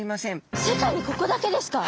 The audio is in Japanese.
世界にここだけですか！？